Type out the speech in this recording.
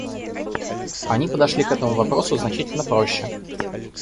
Они подошли к этому вопросы значительно проще.